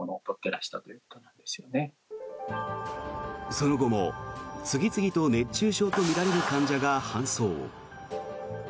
その後も次々と熱中症とみられる患者が搬送。